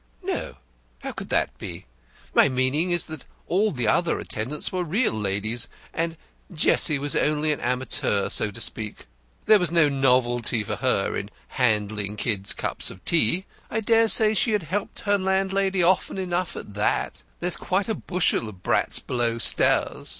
"No; how could that be? My meaning is that all the other attendants were real ladies, and Jessie was only an amateur, so to speak. There was no novelty for her in handing kids cups of tea. I dare say she had helped her landlady often enough at that there's quite a bushel of brats below stairs.